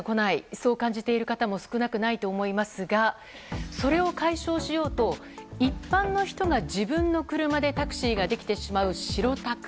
そう感じている方も少なくないと思いますがそれを解消しようと一般の人が自分の車でタクシーができてしまう白タク。